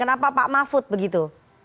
apa pak mahfud begitu